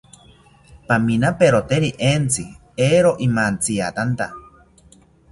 Paminaperoteri entzi, eero imantziatanta